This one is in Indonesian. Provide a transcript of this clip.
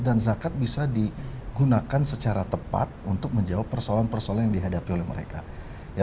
dan zakat bisa digunakan secara tepat untuk menjawab persoalan persoalan yang dihadapi oleh mereka